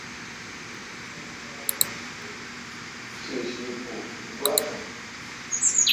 کھیش ی بو تو گوا توُن۔